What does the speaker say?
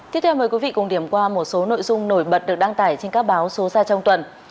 tiếp theo mời quý vị cùng điểm qua một số nội dung nổi bật được đăng tải trên các báo số ra trong tuần